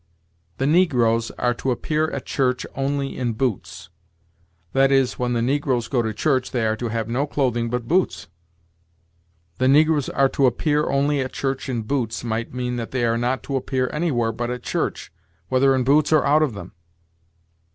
'The negroes are to appear at church only in boots'; that is, when the negroes go to church they are to have no clothing but boots. 'The negroes are to appear only at church in boots' might mean that they are not to appear anywhere but at church, whether in boots or out of them.